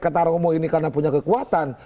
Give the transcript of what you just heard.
karena punya kekuatan